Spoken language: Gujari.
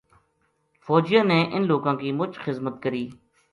فوجیاں نے اِنھ لوکاں کی مُچ خِذمت کری